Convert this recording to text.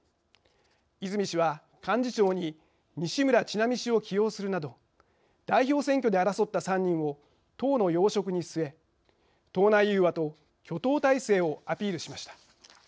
泉氏は、幹事長に西村智奈美氏を起用するなど代表選挙で争った３人を党の要職に据え党内融和と挙党態勢をアピールしました。